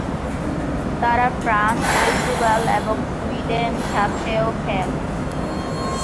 তারা France, Portugal, এবং Sweden সাথেও খেল।